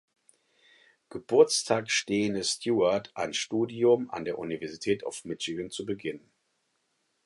Geburtstag stehende Stewart ein Studium an der University of Michigan zu beginnen.